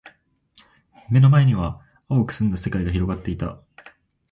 目の前には蒼く澄んだ世界が広がっていた。